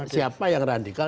siapa yang radikal